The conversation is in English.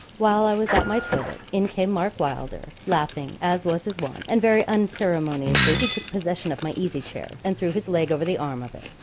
While I was at my toilet, in came Mark Wylder laughing, as was his wont, and very unceremoniously he took possession of my easy chair, and threw his leg over the arm of it.